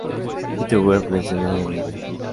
Sitio Web del Senado de Bolivia